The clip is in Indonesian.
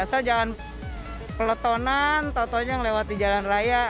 soalnya jangan peletonan tontonya ngelewati jalan raya